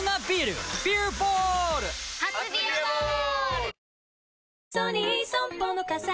初「ビアボール」！